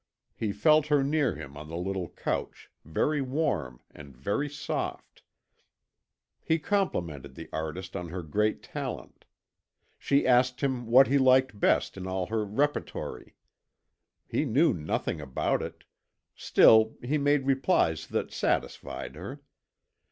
He felt her near him on the little couch, very warm and very soft. He complimented the artiste on her great talent. She asked him what he liked best in all her repertory. He knew nothing about it, still he made replies that satisfied her.